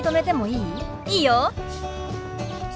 いいよ。